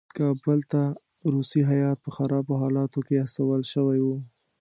کابل ته روسي هیات په خرابو حالاتو کې استول شوی وو.